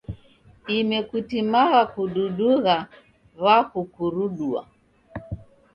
Dime kutimagha kududugha w'akukurudua.